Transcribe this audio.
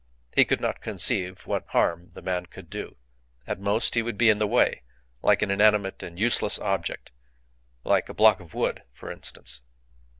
He could not conceive what harm the man could do. At most he would be in the way, like an inanimate and useless object like a block of wood, for instance.